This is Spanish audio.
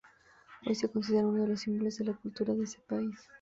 Hoy se la considera uno de los símbolos de la cultura de ese país.